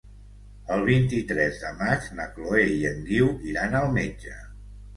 El vint-i-tres de maig na Chloé i en Guiu iran al metge.